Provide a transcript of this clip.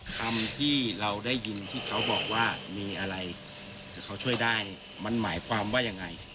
คำที่เราได้ยินที่เขาบอกว่ามีอะไรเขาช่วยได้มันหมายความว่ายังไง